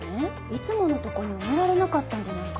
いつものとこに埋められなかったんじゃないかな